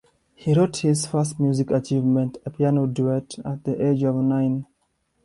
He wrote his first music achievement, a piano duet, at the age of nine.